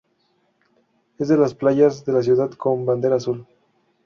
Es de las playas de la ciudad con bandera azul.